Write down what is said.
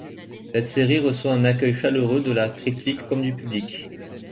Cette série reçoit un accueil chaleureux de la critique comme du public.